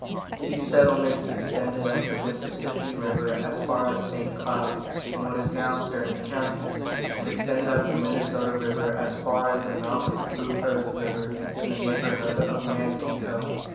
These settlements extended up the Mississippi river as far as St. Cloud, in what is now Stearns county, and extended up the Minnesota river as far as the mouth of the Blue Earth river, in the neighborhood of Mankato.